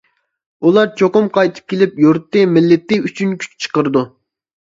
ئۇلار چوقۇم قايتىپ كېلىپ يۇرتى، مىللىتى ئۈچۈن كۈچ چىقىرىدۇ.